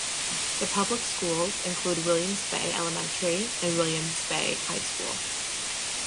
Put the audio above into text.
The public schools include Williams Bay Elementary and Williams Bay High School.